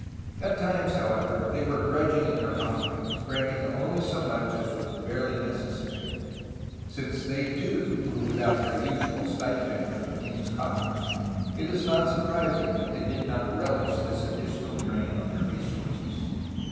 At times, however, they were grudging in their offerings, granting only so much as was barely necessary. Since they too were with out their usual stipend from the king's coffers, it is not sur prising that they did not rehsh this additional drain on their resources.